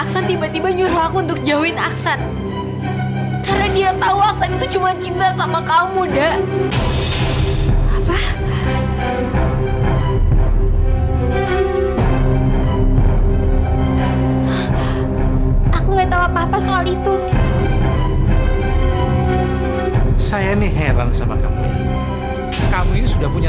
sampai jumpa di video selanjutnya